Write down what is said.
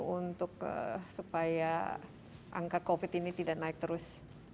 untuk supaya angka covid ini tidak naik terus